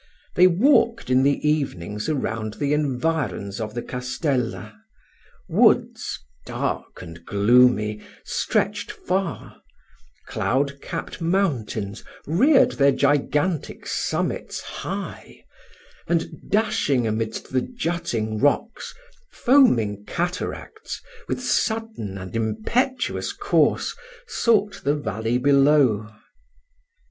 They walked in the evenings around the environs of the castella woods, dark and gloomy, stretched far cloud capt mountains reared their gigantic summits high; and, dashing amidst the jutting rocks, foaming cataracts, with sudden and impetuous course, sought the valley below.